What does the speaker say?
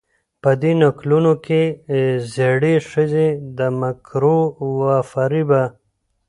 په دې نکلونو کې زړې ښځې د مکرو و فرېبه